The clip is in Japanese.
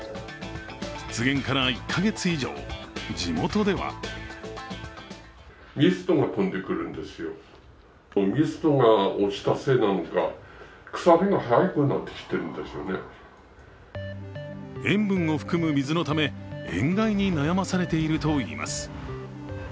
出現から１か月以上地元では塩分を含む水のため、塩害に悩まされているといいます。